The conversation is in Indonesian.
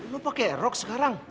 lo pakai rok sekarang